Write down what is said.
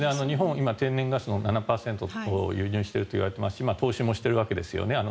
日本もエネルギーの３０％を輸入しているといわれていますし投資もしているわけですね。